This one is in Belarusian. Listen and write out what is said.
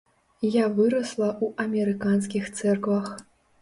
Я вырасла ў амерыканскіх цэрквах.